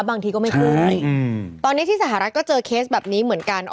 บางทีก็ไม่ขึ้นตอนนี้ที่สหรัฐก็เจอเคสแบบนี้เหมือนกัน